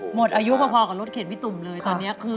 หมดอายุพอกับรถเข็นพี่ตุ่มเลยตอนนี้คือ